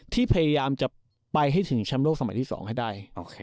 พยายามจะไปให้ถึงแชมป์โลกสมัยที่๒ให้ได้